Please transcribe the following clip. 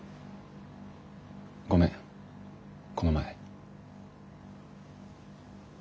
ごめんこの前。